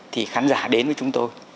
thì khán giả đến với chúng tôi